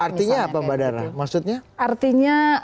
artinya apa mbak dara